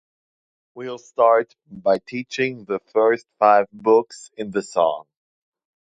we’ll start by teaching the first five books in the song.